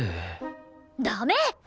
ダメ！